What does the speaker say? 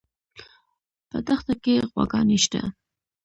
په دښته کې غواګانې شته